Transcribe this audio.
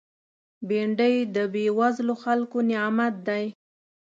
بېنډۍ د بېوزلو خلکو نعمت دی